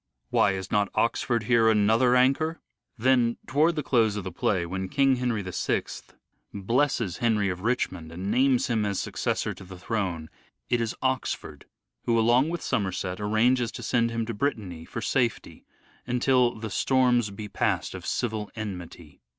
'' Why, is not Oxford here another anchor ?'' Then towards the close of the play, when King Henry VI blesses Henry of Richmond and names him as successor to the throne, it is Oxford who, along with Somerset, arranges to send him to Brittany for safety, until " the storms be passed of civil enmity."